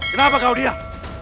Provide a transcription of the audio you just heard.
kenapa kau diam